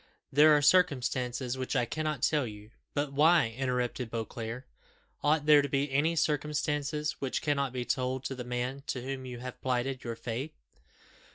There are circumstances which I cannot tell you." "But why?" interrupted Beauclerc. "Ought there to be any circumstances which cannot be told to the man to whom you have plighted your faith?